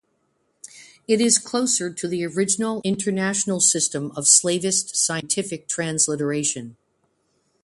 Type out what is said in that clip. It is closer to the original international system of slavist scientific transliteration.